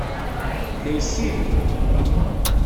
La yessirid.